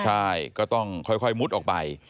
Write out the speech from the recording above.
ใช่ก็ต้องค่อยมุดออกไป